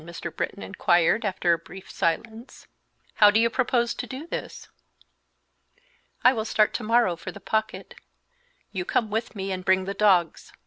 Mr. Britton inquired, after a brief silence; "how do you propose to do this?" "I will start to morrow for the Pocket. You come with me and bring the dogs.